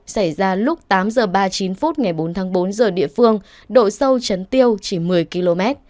xảy ra lúc tám h ba mươi chín phút ngày bốn tháng bốn giờ địa phương độ sâu chấn tiêu chỉ một mươi km